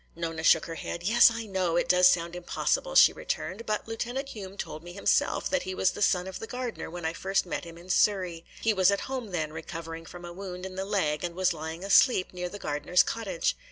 Nona shook her head. "Yes, I know it does sound impossible," she returned. "But Lieutenant Hume told me himself that he was the son of the gardener when I first met him in Surrey. He was at home then, recovering from a wound in the leg and was lying asleep near the gardener's cottage.